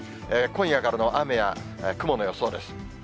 今夜からの雨や雲の予想です。